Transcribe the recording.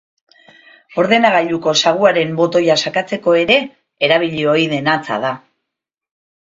Ordenagailuko saguaren botoia sakatzeko ere erabili ohi den hatza da.